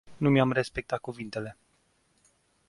Nu mi-a respectat cuvintele.